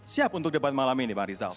siap untuk debat malam ini bang rizal